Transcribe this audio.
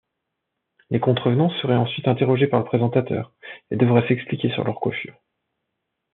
Les contrevenants seraient ensuite interrogés par le présentateur et devraient s'expliquer sur leurs coiffures.